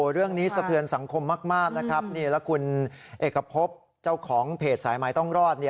เรื่องนี้สะเทือนสังคมมากนะครับนี่แล้วคุณเอกพบเจ้าของเพจสายใหม่ต้องรอด